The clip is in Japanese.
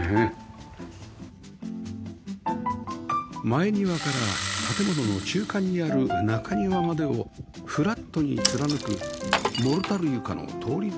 前庭から建物の中間にある中庭までをフラットに貫くモルタル床の通り